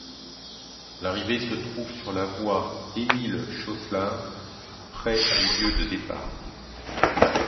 L'arrivée se trouve sur la voie Émile Clauslaan, près du lieu de départ.